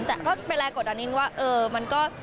แต่ก็เป็นแรงกฎอันนี้ว่าเออมันก็